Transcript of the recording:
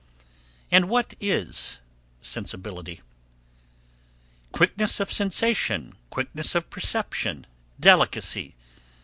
And what is sensibility? "Quickness of sensation; quickness of perception; delicacy."